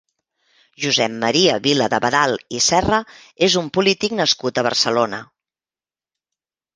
Josep Maria Vila d'Abadal i Serra és un polític nascut a Barcelona.